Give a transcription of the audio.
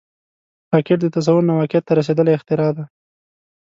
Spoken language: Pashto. راکټ د تصور نه واقعیت ته رسیدلی اختراع ده